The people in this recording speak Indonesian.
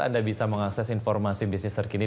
anda bisa mengakses informasi bisnis terkini